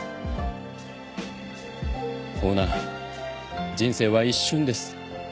オーナー人生は一瞬です。